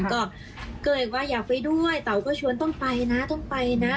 ก็เลยว่าอยากไปด้วยเต๋าก็ชวนต้องไปนะต้องไปนะ